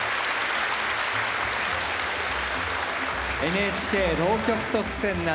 「ＮＨＫ浪曲特選・夏」